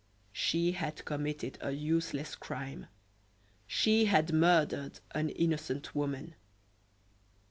She had committed a useless crime; she had murdered an innocent woman.